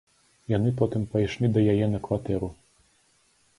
Яны потым пайшлі да яе на кватэру.